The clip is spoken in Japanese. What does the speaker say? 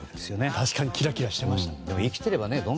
確かにキラキラしていましたもん。